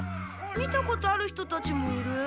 見たことある人たちもいる。